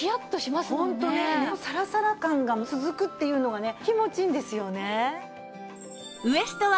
サラサラ感が続くっていうのがね気持ちいいんですよね。